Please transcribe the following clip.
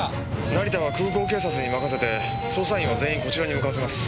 成田は空港警察に任せて捜査員は全員こちらに向かわせます。